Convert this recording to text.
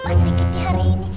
pas dikit dikit hari ini